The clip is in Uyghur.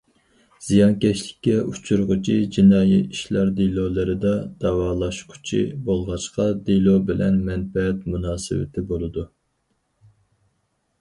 زىيانكەشلىككە ئۇچرىغۇچى جىنايى ئىشلار دېلولىرىدا دەۋالاشقۇچى بولغاچقا، دېلو بىلەن مەنپەئەت مۇناسىۋىتى بولىدۇ.